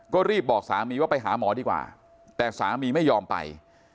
ก็รีบบอกสามีว่าไปหาหมอดีกว่าแต่สามีไม่ยอมไป